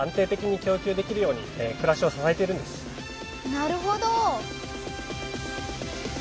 なるほど。